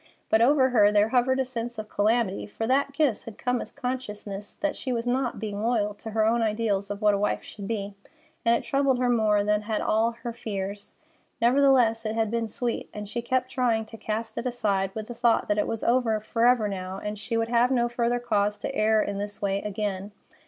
But over her there hovered a sense of calamity, for with that kiss had come a consciousness that she was not being loyal to her own ideals of what a wife should be, and it troubled her more than had all her fears. Nevertheless, it had been sweet, and she kept trying to cast it aside with the thought that it was over forever now and she would have no further cause to err in this way again.